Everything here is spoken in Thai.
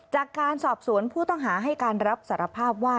จากการสอบสวนผู้ต้องหาให้การรับสารภาพว่า